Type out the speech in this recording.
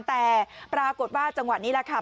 แต่ปรากฏว่าจังหวะนี้แหละค่ะ